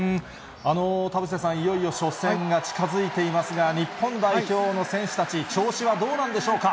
田臥さん、いよいよ初戦が近づいていますが、日本代表の選手たち、調子はどうなんでしょうか。